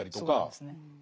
そうですね。